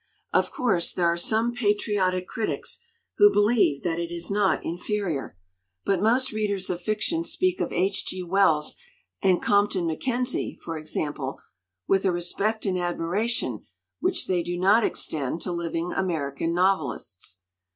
Of course, there are some patriotic critics who believe that it is not inferior. But most readers of fiction speak of H. G. Wells and Compton Mackenzie, for example, with a respect and admiration which they do not extend to living American novelists.